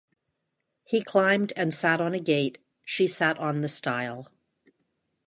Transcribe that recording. He climbed and sat on a gate, she sat on the stile.